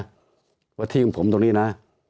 สมภิกษ์ภาคตรงผมตรงนี้นะ